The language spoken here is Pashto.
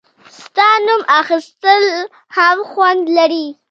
• ستا نوم اخیستل هم خوند لري.